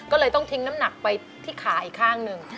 ก็เลยต้องทิ้งน้ำหนักไปที่ขาอีกข้างหนึ่ง